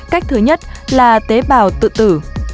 cách thứ nhất là tế bào tự tử